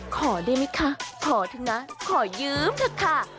ขอได้ไหมคะขอเถอะนะขอยืมเถอะค่ะ